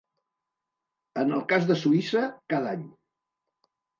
En el cas de Suïssa, cada any.